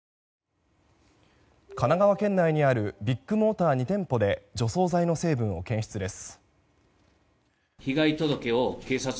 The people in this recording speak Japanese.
神奈川県内にあるビッグモーター２店舗で除草剤の成分を検出です。